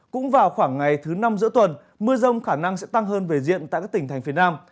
cũng vào khoảng ngày thứ năm giữa tuần mưa rông khả năng sẽ tăng hơn về diện tại các tỉnh thành phía nam